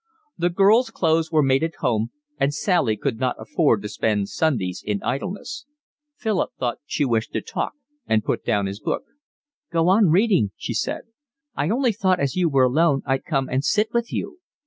The girls' clothes were made at home and Sally could not afford to spend Sundays in idleness. Philip thought she wished to talk and put down his book. "Go on reading," she said. "I only thought as you were alone I'd come and sit with you."